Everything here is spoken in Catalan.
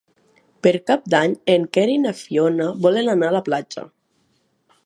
Per Cap d'Any en Quer i na Fiona volen anar a la platja.